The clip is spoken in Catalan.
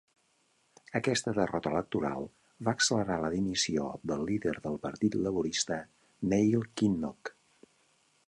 Aquesta derrota electoral va accelerar la dimissió del líder del Partit Laborista, Neil Kinnock.